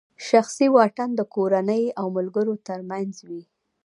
شخصي واټن د کورنۍ او ملګرو ترمنځ وي.